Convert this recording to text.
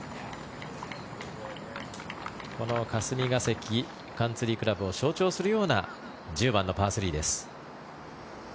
この霞ヶ関カンツリー倶楽部を象徴するような１０番のパー３です。